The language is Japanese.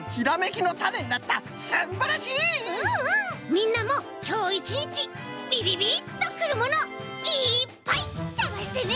みんなもきょういちにちびびびっとくるものいっぱいさがしてね！